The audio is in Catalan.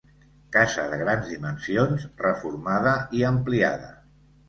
Casa de grans dimensions reformada i ampliada.